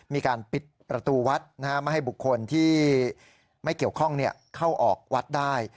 มีการปิดประตูวัดไม่ให้บุคคลที่ไม่เกี่ยวข้องเข้าออกวัดได้